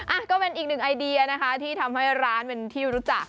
อ่ะก็เป็นอีกหนึ่งไอเดียนะคะที่ทำให้ร้านเป็นที่รู้จัก